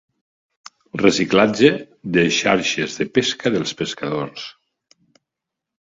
Reciclatge de xarxes de pesca dels pescadors.